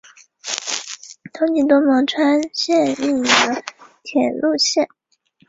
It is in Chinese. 口岸之通关能力已经大大不能应付日常运作之需求。